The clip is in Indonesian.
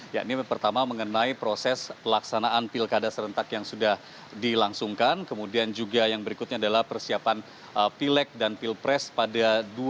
yakni pertama mengenai proses pelaksanaan pilkada serentak yang sudah dilangsungkan kemudian juga yang berikutnya adalah persiapan pileg dan pilpres pada dua ribu sembilan belas